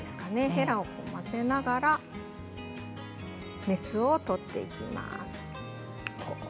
へらで混ぜながら熱を取っていきます。